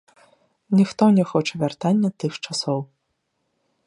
Ніхто не хоча вяртання тых часоў.